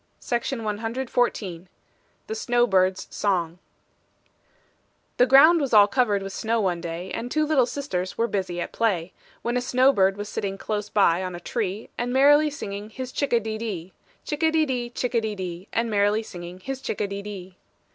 WILLIAM ROBERT SPENCER THE SNOWBIRD'S SONG The ground was all covered with snow one day, And two little sisters were busy at play, When a snowbird was sitting close by on a tree, And merrily singing his chick a de dee, Chick a de dee, chick a de dee, And merrily singing his chick a de dee.